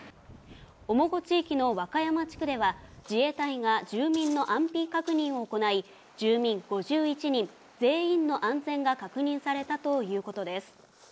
面河地域の和歌山地区では自衛隊が住民の安否確認を行い、住民５１人全員の安全が確認されたということです。